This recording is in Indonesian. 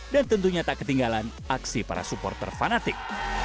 dan tentunya tak ketinggalan aksi para supporter fanatik